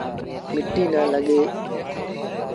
مٽيٚ نا لڳي